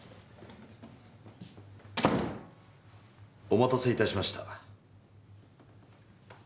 お待たせいたしました。